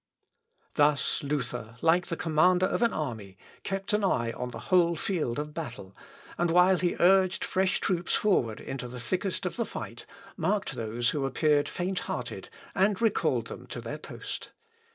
] Thus Luther, like the commander of an army, kept an eye on the whole field of battle, and while he urged fresh troops forward into the thickest of the fight, marked those who appeared faint hearted and recalled them to their post.